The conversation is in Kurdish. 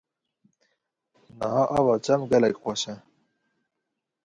Niha ava çem gelek xweş e.